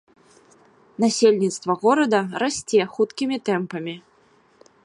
Насельніцтва горада расце хуткімі тэмпамі.